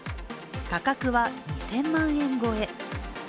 価格は２０００万円超え。